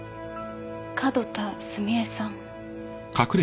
角田澄江さん。